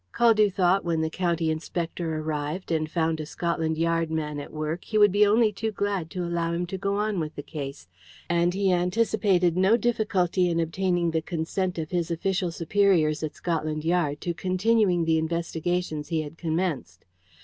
Caldew thought when the county inspector arrived and found a Scotland Yard man at work he would be only too glad to allow him to go on with the case, and he anticipated no difficulty in obtaining the consent of his official superiors at Scotland Yard to continuing the investigations he had commenced.